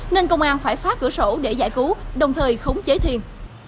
nên công an phải phá cửa sổ để giải cứu đồng thời khống chế thiền